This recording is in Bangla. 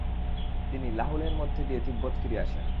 তিনি লাহুলের মধ্য দিয়ে তিব্বত ফিরে আসেন।